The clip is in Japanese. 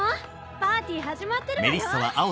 パーティー始まってるわよ。